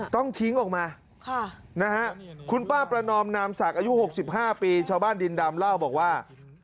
ต้องทิ้งออกมานะฮะคุณป้าประนอมนามศักดิ์อายุ๖๕ปีชาวบ้านดินดำเล่าบอกว่า